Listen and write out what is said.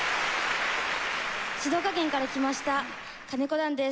静岡県から来ました金子暖です。